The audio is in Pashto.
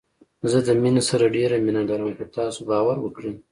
زه د مينې سره ډېره مينه لرم خو تاسو باور وکړئ